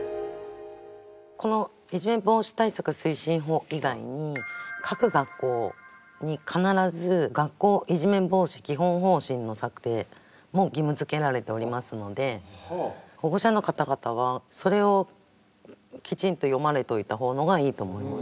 このいじめ防止対策推進法以外に各学校に必ず「学校いじめ防止基本方針」の策定も義務付けられておりますので保護者の方々はそれをきちんと読まれといた方のがいいと思います。